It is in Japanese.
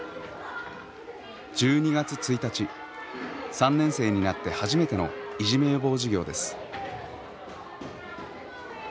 ３年生になって初めてのいじめ予防授業です。